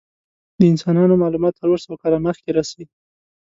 د انسانانو معلومات څلور سوه کاله مخکې رسی.